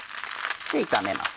炒めます。